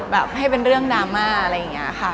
แบบให้เป็นเรื่องดราม่าอะไรอย่างนี้ค่ะ